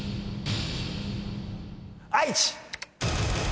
愛知。